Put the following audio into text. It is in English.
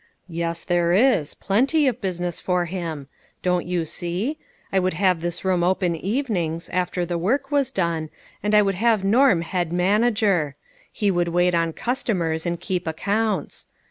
"Yes, there is, plenty of business for him. Don't you see ? I would have this room, open evenings, after the work was done, and I would have Norm head manager. He should wait on customers, and keep accounts.